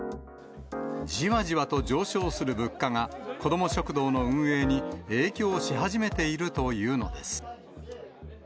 じわじわと上昇する物価が、子ども食堂の運営に影響し始めているというのです。